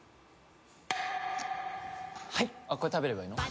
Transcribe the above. はいこれ食べればいいの？